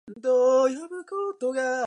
sushi